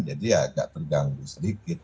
jadi ya agak terganggu sedikit